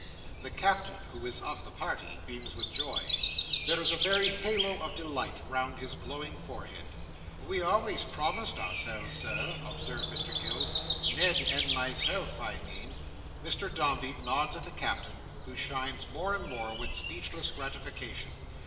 The Captain, who is of the party, beams with joy. There is a very halo of delight round his glowing forehead. "We always promised ourselves, Sir," observes Mr Gills," Ned and myself, I mean—" Mr Dombey nods at the Captain, who shines more and more with speechless gratification.